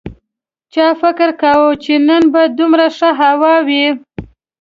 چا فکر کاوه چې نن به دومره ښه هوا وي